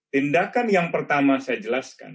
tindakan yang pertama saya jelaskan